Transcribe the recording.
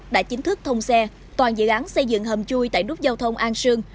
đã chính thức thông xe toàn dự án xây dựng hầm chui tại nút giao thông an sương